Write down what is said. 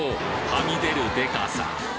はみ出るデカさ